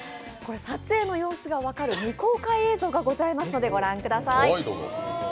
撮影の様子が分かる未公開映像がございますのでご覧ください。